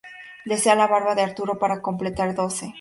Desea la barba de Arturo para completar doce.